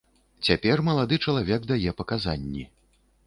Цяпер малады чалавек дае паказанні.